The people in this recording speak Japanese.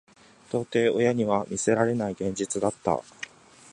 到底親には見せられない現実だった。